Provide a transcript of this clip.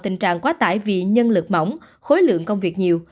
tình trạng quá tải vì nhân lực mỏng khối lượng công việc nhiều